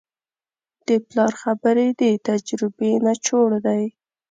د پلار خبرې د تجربې نچوړ دی.